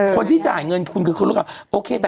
คนที่จ่ายเงินคุณคือคนรุ่นเปล่า